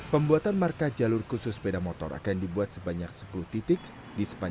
pembuatan marka jalur khusus sepeda motor akan dibuat sebanyak sepuluh titik di sepanjang jalan mh tamrin hingga medan merdeka barat